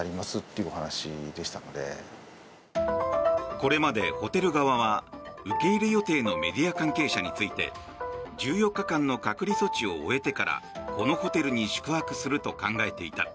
これまでホテル側は受け入れ予定のメディア関係者について１４日間の隔離措置を終えてからこのホテルに宿泊すると考えていた。